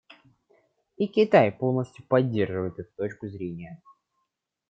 И Китай полностью поддерживает эту точку зрения.